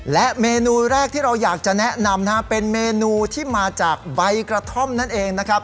และเมนูแรกที่เราอยากจะแนะนำนะฮะเป็นเมนูที่มาจากใบกระท่อมนั่นเองนะครับ